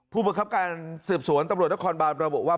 ผู้บังคับการสืบสวนตำรวจนครบานระบุว่า